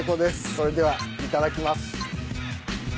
それではいただきます。